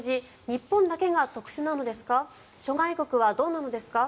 日本だけが特殊なのですか？